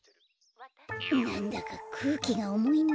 なんだかくうきがおもいな。